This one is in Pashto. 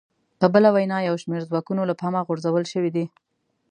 په بله وینا یو شمېر ځواکونه له پامه غورځول شوي دي